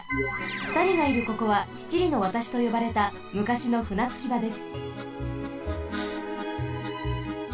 ふたりがいるここは七里の渡しとよばれた昔のふなつきばです。